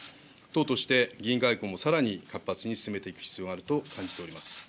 党として議員外交もさらに活発に進めていく必要があると感じております。